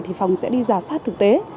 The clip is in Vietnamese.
thì phòng sẽ đi giả soát thực tế